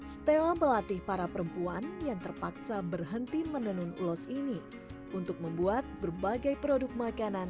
stella melatih para perempuan yang terpaksa berhenti menenun ulos ini untuk membuat berbagai produk makanan